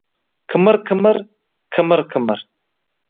Qimir-qimir, qimir-qimir